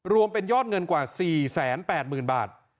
รวมเป็นยอดเงินกว่า๔๘๐๐๐บาท